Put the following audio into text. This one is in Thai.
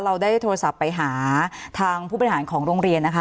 เราได้โทรศัพท์ไปหาทางผู้บริหารของโรงเรียนนะคะ